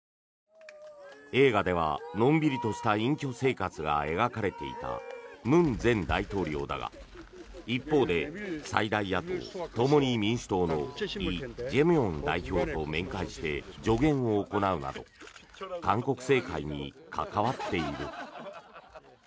映画ではのんびりとした隠居生活が描かれていた文前大統領だが一方で最大野党・共に民主党のイ・ジェミョン代表と面会して助言を行うなど韓国政界に関わっている。